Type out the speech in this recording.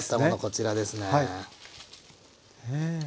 こちらですね。